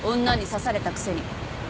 女に刺されたくせに。